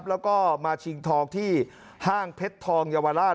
แล้วก็มาชิงทองที่ห้างเพชรทองเยาวราช